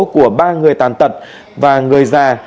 của ba người tàn tật và người già